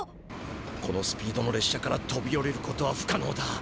このスピードの列車からとびおりることはふかのうだ！